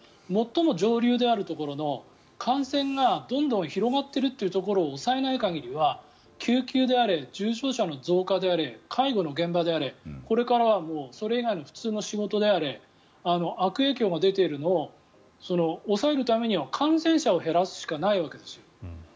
最も上流であるところの感染がどんどん広がっているというところを抑えない限りは救急であれ重症者の増加であれ介護の現場であれこれからはそれ以外の普通の仕事であれ悪影響が出ているのを抑えるためには感染者を減らすしかないわけです。